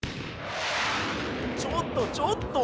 ちょっとちょっと！